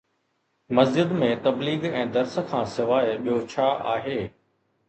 مسجد ۾ تبليغ ۽ درس کان سواءِ ٻيو ڇا آهي؟